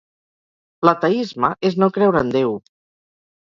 L'ateisme és no creure en Déu...